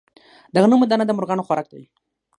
د غنمو دانه د مرغانو خوراک دی.